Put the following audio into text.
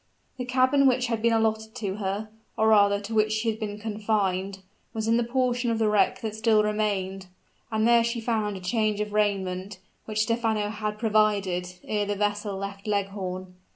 The cabin which had been allotted to her, or rather to which she had been confined, was in the portion of the wreck that still remained; and there she found a change of raiment, which Stephano had provided ere the vessel left Leghorn.